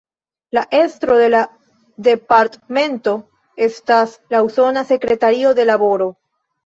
La estro de la Departmento estas la Usona Sekretario de Laboro.